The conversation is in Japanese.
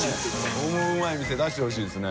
オモウマい店出してほしいですね。